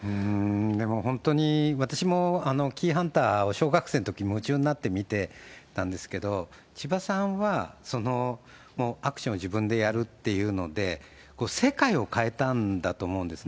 でも本当に私もキイハンターを小学生のとき、夢中になって見てたんですけど、千葉さんはアクションを自分でやるっていうので、世界を変えたんだと思うんですね。